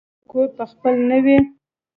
ایا ستاسو کور به خپل نه وي؟